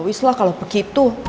ya wislah kalau begitu